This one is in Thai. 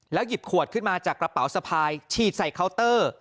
หยิบขวดขึ้นมาจากกระเป๋าสะพายฉีดใส่เคาน์เตอร์